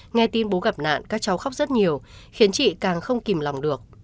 nghe tin bố gặp nạn các cháu khóc rất nhiều khiến chị càng không kìm lòng được